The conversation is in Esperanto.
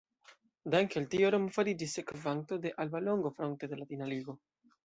Danke al tio Romo fariĝis sekvanto de Alba Longo fronte de Latina Ligo.